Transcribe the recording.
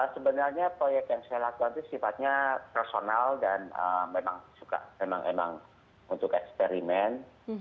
sebenarnya proyek yang saya lakukan itu sifatnya personal dan memang suka memang untuk eksperimen